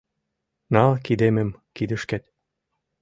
Нал кидемым кидышкет